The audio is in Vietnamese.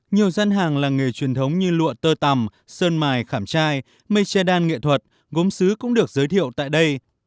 nhiều dân hàng là nghề truyền thống như lụa tơ tầm sơn mài khảm trai mây che đan nghệ thuật gốm xứ cũng được giới thiệu tại đây